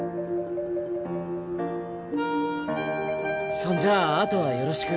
そんじゃああとはよろしく。